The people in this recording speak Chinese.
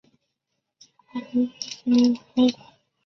高昌地区失陷于察合台汗国。